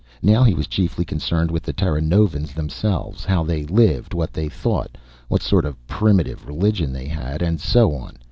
Now he was chiefly concerned with the Terranovans themselves how they lived, what they thought, what sort of primitive religion they had, and so on.